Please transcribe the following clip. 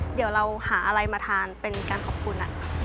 เดี๋ยวเราหาอะไรมาทานเป็นการขอบคุณ